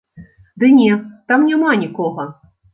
Ды не, там няма нікога!